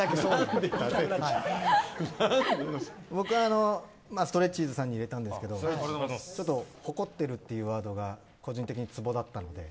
僕は、ストレッチーズさんにいるなんですが怒ってるってワードが個人的にツボでした。